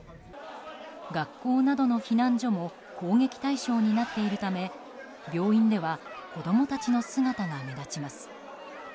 学校などの避難所も攻撃対象になっているため病院では子供たちの姿が目立ちます。